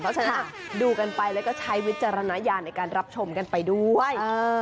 เพราะฉะนั้นดูกันไปแล้วก็ใช้วิจารณญาณในการรับชมกันไปด้วย